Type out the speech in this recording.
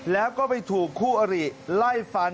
แล้วก็ไปถูกคู่อริไล่ฟัน